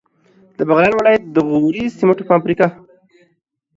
د بغلان ولایت د غوري سیمنټو فابریکه